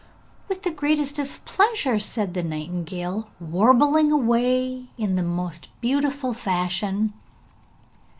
'With the greatest of pleasure!' said the nightingale, warbling away in the most delightful fashion.